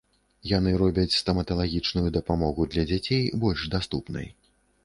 Яны робяць стаматалагічную дапамогу для дзяцей больш даступнай.